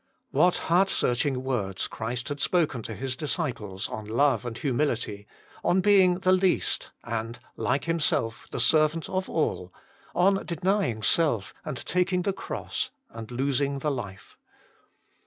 What heart searching words Christ had spoken to His disciples on love and humility, on being the least, and, like Himself, the servant of all, on denying self, and taking the cross, and losing the life.